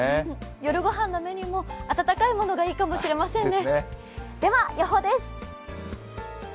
夜ご飯のメニューも温かいものがいいかもしれませんね。